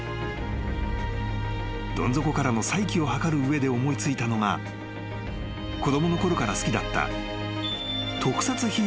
［どん底からの再起を図る上で思い付いたのが子供のころから好きだった］